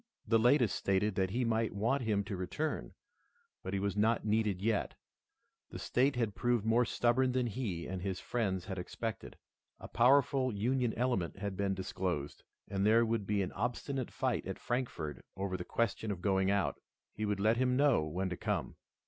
The latest stated that he might want him to return, but he was not needed yet. The state had proved more stubborn than he and his friends had expected. A powerful Union element had been disclosed, and there would be an obstinate fight at Frankfort over the question of going out. He would let him know when to come.